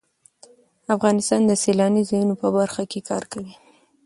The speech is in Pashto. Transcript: افغانستان د سیلاني ځایونو په برخه کې کار کوي.